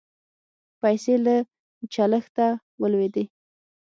پیسې له چلښته ولوېدې